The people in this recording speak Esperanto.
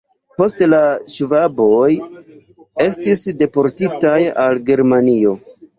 Poste la ŝvaboj estis deportitaj al Germanio.